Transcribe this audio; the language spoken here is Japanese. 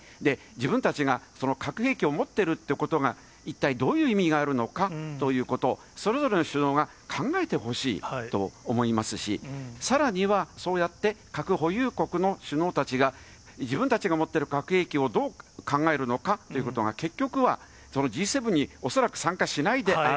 自分たちがその核兵器を持ってるってことが、一体どういう意味があるのかということ、それぞれの首脳が考えてほしいと思いますし、さらにはそうやって、核保有国の首脳たちが、自分たちが持ってる核兵器をどう考えるのかっていうことが、結局は、中国、ロシア。